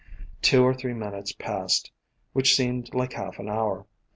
Two or three minutes passed, which seemed like half an hour.